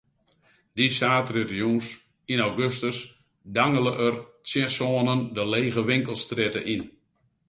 Dy saterdeitejûns yn augustus dangele er tsjin sânen de lege winkelstrjitte yn.